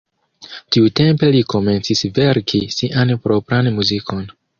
Tiutempe li komencis verki sian propran muzikon.